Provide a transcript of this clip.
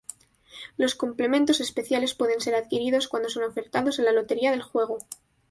Los complementos especiales pueden ser adquiridos cuando son ofertados en la lotería del juego.